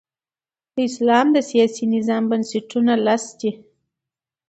د اسلام د سیاسي نظام بنسټونه لس دي.